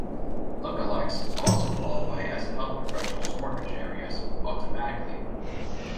Look-a-likes also qualify as health professional shortage areas automatically.